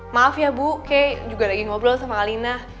maaf ya bu kayak juga lagi ngobrol sama alina